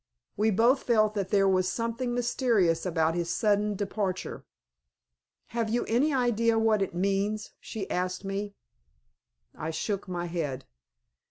We both felt that there was something mysterious about his sudden departure. "Have you any idea what it means?" she asked me. I shook my head.